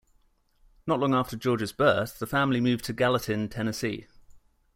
Not long after George's birth, the family moved to Gallatin, Tennessee.